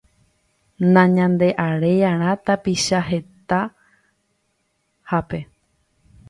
Nañande'aréi'arã tapicha hetahápe.